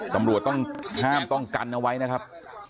ตำรวจต้องห้ามต้องกันเอาไว้นะครับ